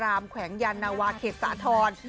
ลามแขวงยัณห์นีวาเกษฐร